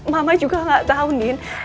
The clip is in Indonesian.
mama juga nggak tau din